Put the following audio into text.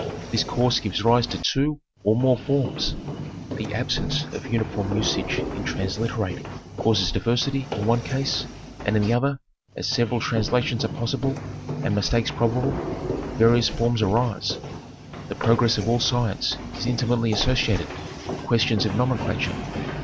This course gives rise to two or more forms. The absence of uniform usage in transliterating, causes diversity in one case, and in the other as several translations are possible, and mistakes probable, various forms arise. The progress of all science is intimately associated with ques tions of nomenclature.